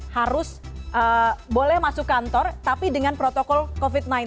harus boleh masuk kantor tapi dengan protokol covid sembilan belas